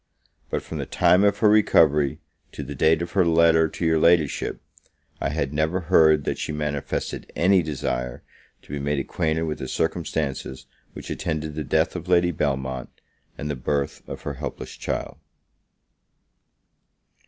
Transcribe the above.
But, from the time of her recovery to the date of her letter to your Ladyship, I had never heard that she manifested any desire to be made acquainted with the circumstances which attended the death of Lady Belmont, and the birth of her helpless child.